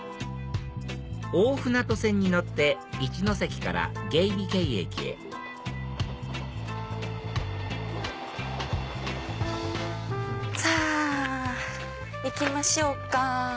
大船渡線に乗って一ノ関から猊鼻渓駅へさぁ行きましょうか。